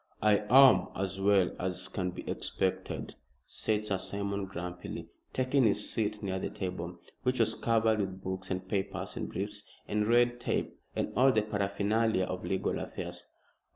"I am as well as can be expected," said Sir Simon, grumpily, taking his seat near the table, which was covered with books, and papers, and briefs, and red tape, and all the paraphernalia of legal affairs.